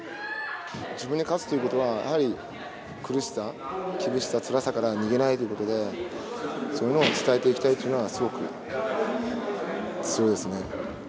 自分に勝つということはやはり苦しさ厳しさつらさから逃げないということでそういうのを伝えていきたいというのはすごく強いですね。